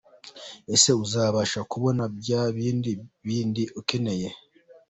Ese uzabasha kubona bya bindi bindi ukeneye.